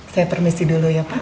saya permisi dulu ya pak